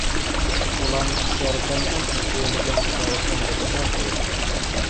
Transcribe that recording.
وەڵامی پرسیارەکانی ئەم هەفتەیەی لەگەڵ ڕووداوەکاندا دەداتەوە